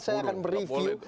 saya akan mereview